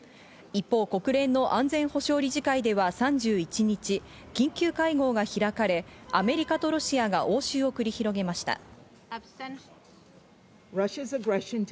一方、国連の安全保障理事会では３１日、緊急会合が開かれ、アメリカとロシアが応酬を繰り広げました。